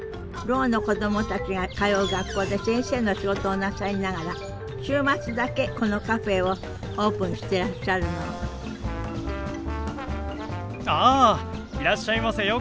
ろうの子供たちが通う学校で先生の仕事をなさりながら週末だけこのカフェをオープンしてらっしゃるのあいらっしゃいませ。